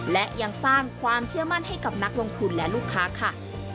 และยังสร้างความเชื่อมั่นให้กับนักลงทุนและลูกค้าค่ะ